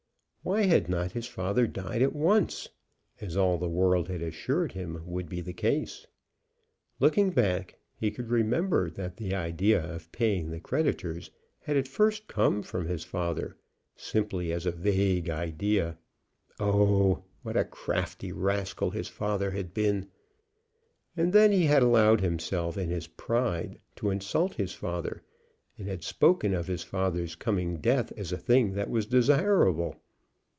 Why had not his father died at once? as all the world had assured him would be the case. Looking back he could remember that the idea of paying the creditors had at first come from his father, simply as a vague idea! Oh, what a crafty rascal his father had been! And then he had allowed himself, in his pride, to insult his father, and had spoken of his father's coming death as a thing that was desirable!